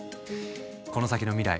この先の未来